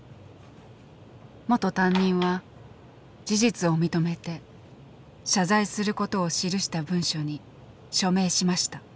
元担任は事実を認めて謝罪することを記した文書に署名しました。